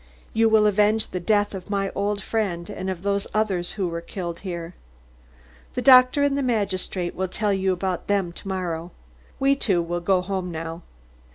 You will avenge the death of my old friend and of those others who were killed here. The doctor and the magistrate will tell you about them to morrow. We two will go home now.